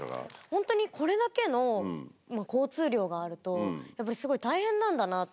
ホントにこれだけの交通量があるとやっぱりすごい大変なんだなって。